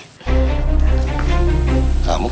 kak benim tekunan